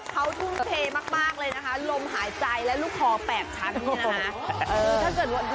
เขาทุ่มเทมากเลยนะคะลมหายใจและลูกคอ๘ชั้นเนี่ยนะคะ